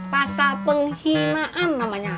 pasal penghinaan namanya